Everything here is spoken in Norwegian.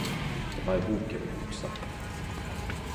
Dette var ei bok eg vil hugse.